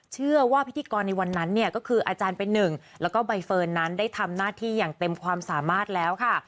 เชื่อว่าพิธีกรในวันนั้นเนี่ยก็คืออาจารย์เป็นหนึ่งแล้วก็ใบเฟิร์นนั้นได้ทำหน้าที่อย่างเต็มความสามารถแล้วค่ะ